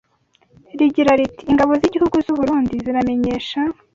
rigira riti “Ingabo z’Igihugu z’u Burundi ziramenyesha